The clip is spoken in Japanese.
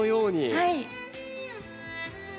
はい。